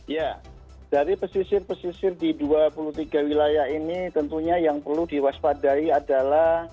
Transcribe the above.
ya dari pesisir pesisir di dua puluh tiga wilayah ini tentunya yang perlu diwaspadai adalah